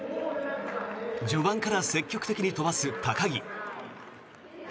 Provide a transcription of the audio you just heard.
序盤から積極的に飛ばす高木。